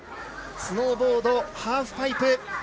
スノーボードハーフパイプ